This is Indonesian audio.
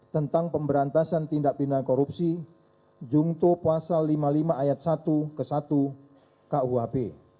tentang pemberantasan tindak tindak korupsi jumto pasal lima puluh lima ayat satu kesatu kuap